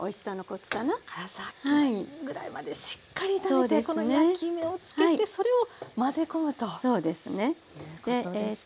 さっきぐらいまでしっかり炒めてこの焼き目をつけてそれを混ぜ込むということですか。